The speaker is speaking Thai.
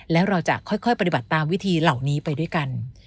แล้วเราจะค่อยปฏิบัติตามวิธีเหล่านี้ไปด้วยกัน